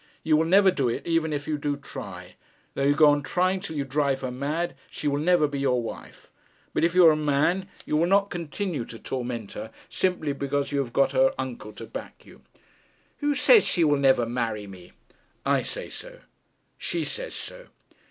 You will never do it, even if you do try. Though you go on trying till you drive her mad, she will never be your wife. But if you are a man, you will not continue to torment her, simply because you have got her uncle to back you.' 'Who says she will never marry me?' 'I say so. She says so.'